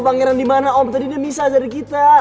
panggilan di mana om tadi dia bisa dari kita